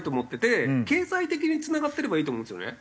経済的につながってればいいと思うんですよね。